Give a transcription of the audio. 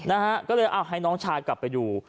นะฮะก็เลยเอาให้น้องชายกลับไปดู